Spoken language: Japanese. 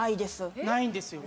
ないんですよ。